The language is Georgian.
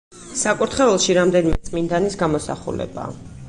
საკურთხეველში რამდენიმე წმინდანის გამოსახულებაა.